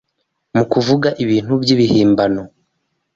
mu kuvuga ibintu by’ibihimbano